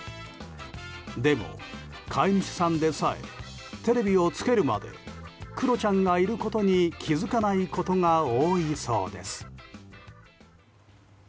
でも、飼い主さんでさえテレビをつけるまでクロちゃんがいることに気づかないことが多いそうです。